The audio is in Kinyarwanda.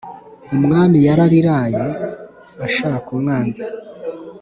umwami yarariraye ashaka umwanzi